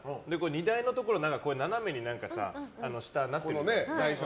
荷台のところ斜めに下なってるじゃないですか。